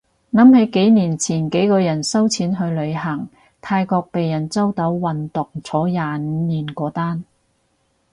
諗起幾年前幾個人收錢去旅行，泰國被人周到運毒坐廿五年嗰單